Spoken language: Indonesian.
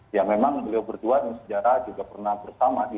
ya memang beliau berdua di sejarah juga pernah bersama di dua ribu dua puluh empat